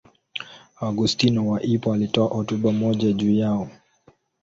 Augustino wa Hippo alitoa hotuba moja juu yao.